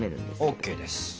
ＯＫです。